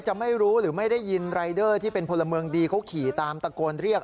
ไม่รู้หรือไม่ได้ยินรายเดอร์ที่เป็นพลเมืองดีเขาขี่ตามตะโกนเรียก